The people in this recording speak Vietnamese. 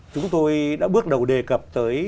chúng tôi đã bước đầu đề cập tới